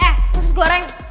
eh terus goreng